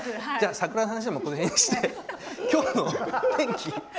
桜の話はこの辺にして今日の天気。